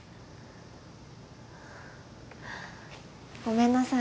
ごめんなさい